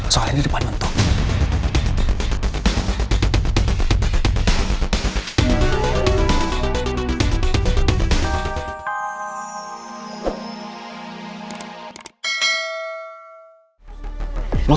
soalnya ini depan mentok